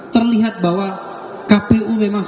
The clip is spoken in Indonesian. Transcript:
terlihat bahwa kpu memang